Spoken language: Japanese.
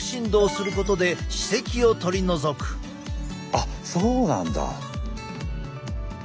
あっそうなんだ。